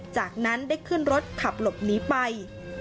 จากนั้นได้ขึ้นรถขับหลบหนีไป